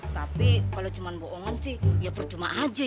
tapi kalau cuma bohongan sih ya percuma aja